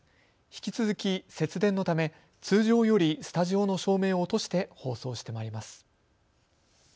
引き続き、節電のため通常よりスタジオの照明を落として放送してまいります。